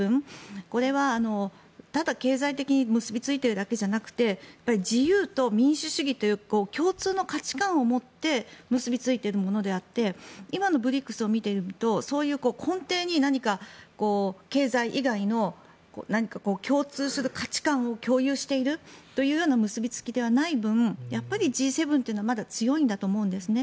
これはただ経済的に結びついているだけではなくて自由と民主主義という共通の価値観を持って結びついているものであって今のＢＲＩＣＳを見ているとそういう根底に経済以外の共通する価値観を共有しているというような結びつきではない分やっぱりＧ７はまだ強いんだと思うんですね。